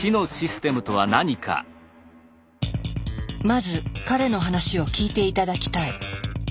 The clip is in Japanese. まず彼の話を聞いて頂きたい。